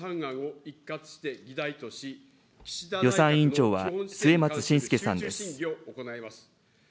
予算委員長は末松信介さんです。